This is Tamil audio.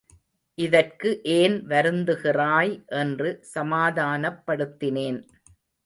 இதற்கு ஏன் வருந்துகிறாய் என்று சமாதானப்படுத்தினேன்.